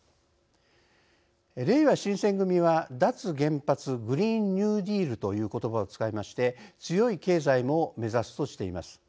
れいわ新選組は「脱原発グリーン・ニューディール」ということばを使いまして強い経済も目指しとしています。